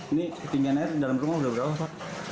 ini ketinggian air dalam rumah sudah berapa pak